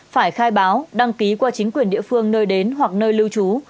phải khai báo đăng ký qua chính quyền địa phương nơi đến hoặc nơi lưu trú